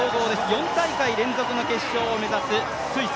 ４大会連続の決勝を目指すスイス。